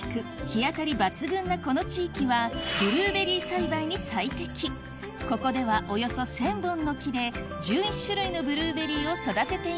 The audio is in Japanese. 日当たり抜群なこの地域はここではおよそ１０００本の木で１１種類のブルーベリーを育てています